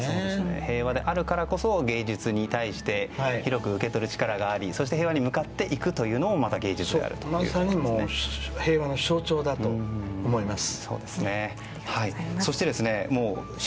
平和であるからこそ芸術に対して広く受け取る力があり平和に向かっていくのもまさに平和の象徴だと思います。